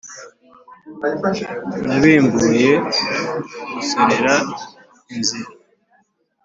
Nabimbuye gusorera inzira !